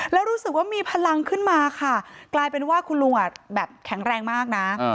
แล้วรู้สึกว่ามีพลังขึ้นมาค่ะกลายเป็นว่าคุณลุงแบบแข็งแรงมากนะ